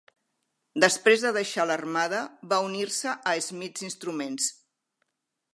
Després de deixar l'armada, va unir-se a Smiths Instruments.